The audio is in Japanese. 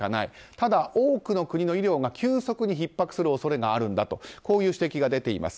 ただ、多くの国の医療が急速にひっ迫する恐れがあるんだとこういう指摘が出ています。